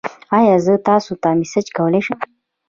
ایا زه تاسو ته میسج کولی شم؟